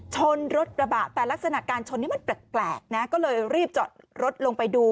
ชนรถกระบะแต่ลักษณะการชนนี้มันแปลกนะก็เลยรีบจอดรถลงไปดู